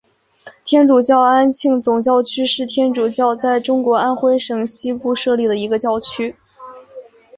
天主教安庆总教区是天主教在中国安徽省西部设立的一个教区。